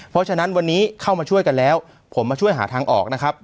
เพราะฉะนั้นวันนี้เข้ามาช่วยกันแล้วผมมาช่วยหาทางออกนะครับ